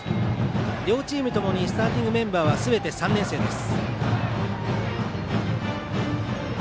両チームともにスターティングメンバーはすべて３年生です。